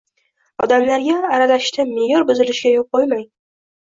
Odamlarga aralashishda me’yor buzilishiga yo‘l qo‘ymang.